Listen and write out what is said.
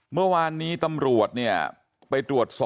เมื่อวานนี้ตำรวจเนี่ยไปตรวจสอบ